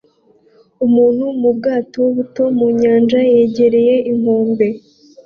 Umuntu mubwato buto mu nyanja yegereye inkombe